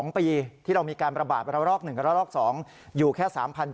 ๒ปีที่เรามีการประบาดระลอก๑ระลอก๒อยู่แค่๓๗